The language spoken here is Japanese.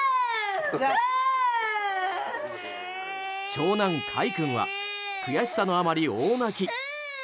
長男かい君は悔しさのあまり大泣き。